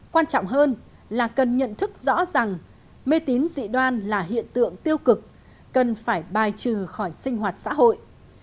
quan trọng hơn là cần nhận thức rõ rằng mê tín dị đoan là hiện tượng tiêu cực cần phải bài trừ khỏi sinh hoạt xã hội